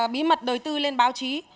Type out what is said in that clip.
bí mật đối tư lên báo chí